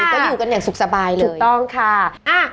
ก็อยู่กันอย่างสุขสบายเลยถูกต้องค่ะ